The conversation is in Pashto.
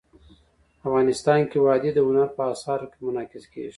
افغانستان کې وادي د هنر په اثار کې منعکس کېږي.